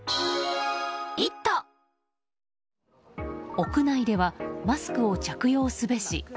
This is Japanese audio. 屋内ではマスクを着用すべし。